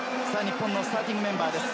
日本のスターティングメンバーです。